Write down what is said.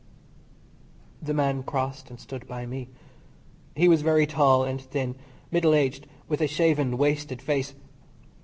The man crossed and stood by me. He was very tall and thin, middle aged, with a shaven, wasted face.